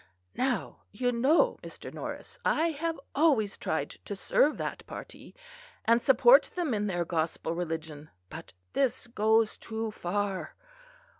Now, you know, Mr. Norris, I have always tried to serve that party, and support them in their gospel religion; but this goes too far.